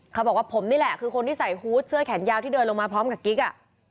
เขาบอกว่าผมนี่แหละคือคนที่ใส่ฮูตเสื้อแขนยาวที่เดินลงมาพร้อมกับกิ๊กอ่ะ